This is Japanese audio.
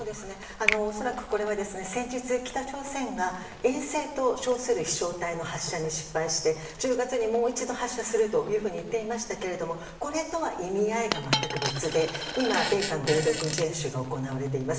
恐らく、これは先日北朝鮮が衛星と称する飛翔体の発射に失敗して１０月にもう一度発射するといっていましたがこれとは意味合いが全く別で今、米韓合同軍事演習が行われています。